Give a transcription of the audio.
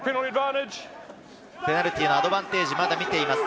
ペナルティーのアドバンテージまで見ています。